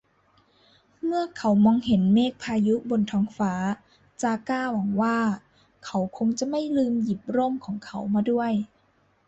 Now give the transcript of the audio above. เมื่อเขามองเห็นเมฆพายุบนท้องฟ้า จาก้าหวังว่า เขาคงจะไม่ลืมหยิบร่มของเขามาด้วย